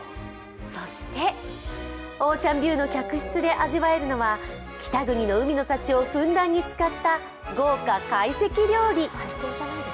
そしてオーシャンビューの客室で味わえるのは北国の海の幸をふんだんに使った豪華懐石料理。